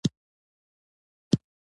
د ذراتو د کشکولو له امله ځمکه ګردی شکل لري